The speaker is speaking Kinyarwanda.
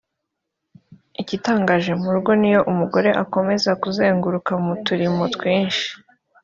Igitangaje mu rugo n’iyo umugore akomeza kuzenguruka mu turimo twinshi